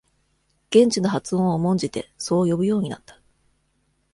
現地の発音を重んじて、そう呼ぶようになった。